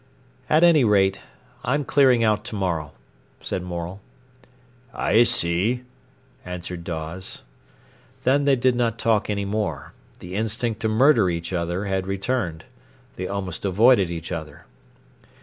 "At any rate, I'm clearing out to morrow," said Morel. "I see," answered Dawes. Then they did not talk any more. The instinct to murder each other had returned. They almost avoided each other.